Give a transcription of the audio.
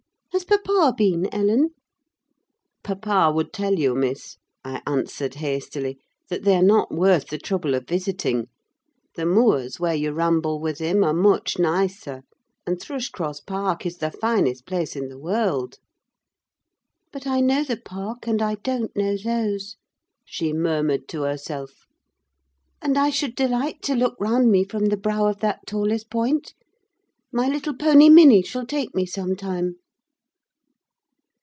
Has papa been, Ellen?" "Papa would tell you, Miss," I answered, hastily, "that they are not worth the trouble of visiting. The moors, where you ramble with him, are much nicer; and Thrushcross Park is the finest place in the world." "But I know the park, and I don't know those," she murmured to herself. "And I should delight to look round me from the brow of that tallest point: my little pony Minny shall take me some time."